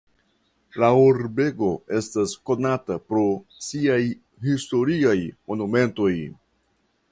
La urbego estas konata pro siaj historiaj monumentoj.